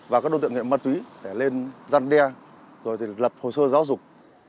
và các đối tượng nghiệp ma túy để lên gian đe rồi thì lập hồ sơ giáo dục